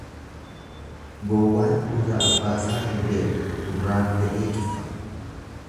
Gowwaan gurra abbaasaa hin beeku gurraan ga'ee cuffata.